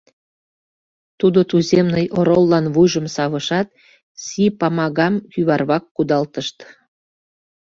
Тудо туземный ороллан вуйжым савышат, Си-Памагам кӱварвак кудалтышт.